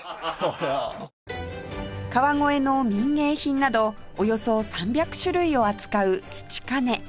川越の民芸品などおよそ３００種類を扱う土金